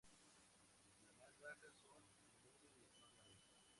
La más bajas son a menudo las más largas.